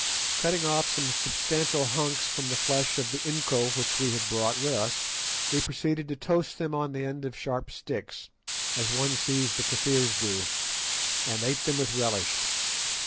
Cutting off some substantial hunks from the flesh of the inco which we had brought with us, we proceeded to toast them on the end of sharp sticks, as one sees the Kafirs do, and ate them with relish.